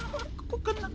ここかな？